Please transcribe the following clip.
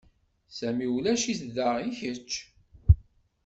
Sami ulac-it da i kečč.